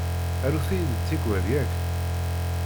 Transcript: Arut-iyi-d tikwal, yak?